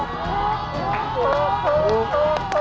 ถูก